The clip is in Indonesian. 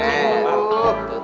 eh mantap tuh